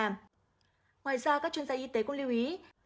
ngoài ra các chuyên gia y tế cũng lưu ý